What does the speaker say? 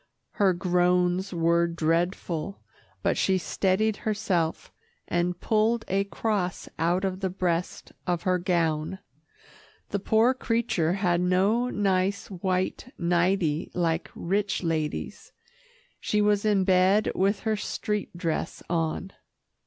Her groans were dreadful, but she steadied herself, and pulled a cross out of the breast of her gown the poor creature had no nice white nightie like rich ladies. She was in bed with her street dress on.